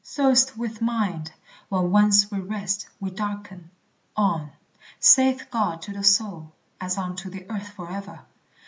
So is't with mind. When once We rest, we darken. On! saith God to the soul, As unto the earth for ever.